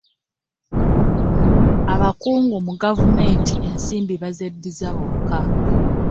abakungu mu gavumenti ensimbi bazeddiza bokka.